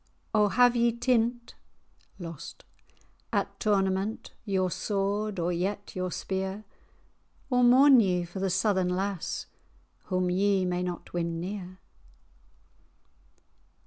O have ye tint[#] at tournament Your sword, or yet your spear? Or mourn ye for the Southern lass, Whom ye may not win near?"